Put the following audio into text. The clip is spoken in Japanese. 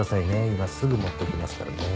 今すぐ持ってきますからね。